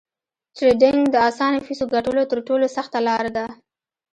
ټریډینګ د اسانه فیسو ګټلو تر ټولو سخته لار ده